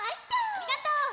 ありがとう！